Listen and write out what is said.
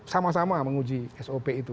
sama sama menguji sop itu